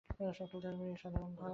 সকল ধর্মেরই এই সাধারণ ভাব।